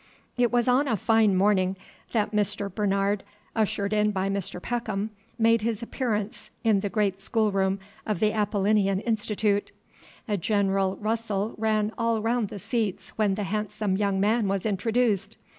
It was on a fine morning that Mr. Bernard, ushered in by Mr. Peckham, made his appearance in the great schoolroom of the Apollinean Institute. A general rustle ran all round the seats when the handsome young man was introduced.